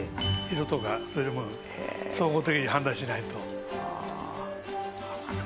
色とかそういうものを総合的に判断しないと。